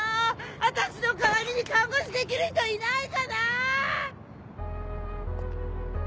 私の代わりに看護師できる人いないかな！